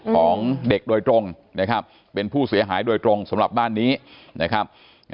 ของเด็กโดยตรงนะครับเป็นผู้เสียหายโดยตรงสำหรับบ้านนี้นะครับ